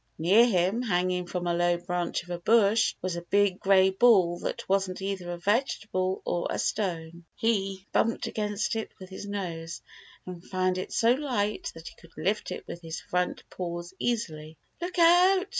Near him, hanging from a low branch of a bush, was a big gray ball that wasn't either a vegetable or a stone. He bumped against it with his nose, and found it so light that he could lift it with his front paws easily. " Look out!